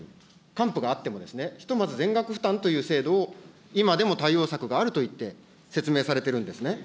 還付があってもですね、ひとまず全額負担という制度を今でも対応策があると言って、説明されてるんですね。